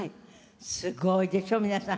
すごいでしょ皆さん。